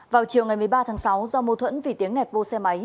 vào chiều ngày một mươi ba tháng sáu do mô thuẫn vì tiếng nẹt vô xe máy